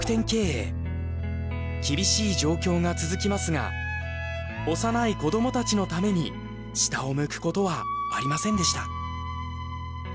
厳しい状況が続きますが幼い子どもたちのために下を向くことはありませんでした。